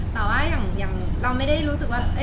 แต่ว่าอย่างเราไม่ได้รู้สึกว่า